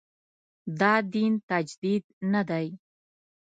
دا دین تجدید نه دی.